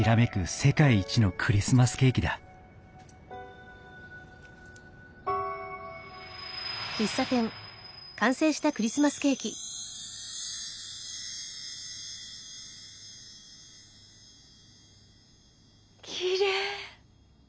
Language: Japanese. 世界一のクリスマスケーキだきれい。